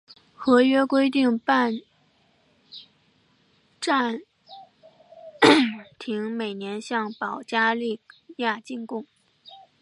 合约规定拜占庭每年向保加利亚进贡。